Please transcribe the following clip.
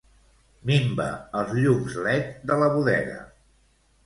Minva els llums led de la bodega.